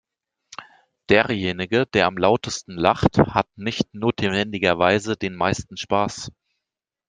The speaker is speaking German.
Derjenige, der am lautesten lacht, hat nicht notwendigerweise den meisten Spaß.